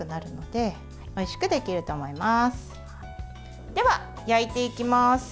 では、焼いていきます。